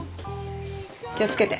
気を付けて。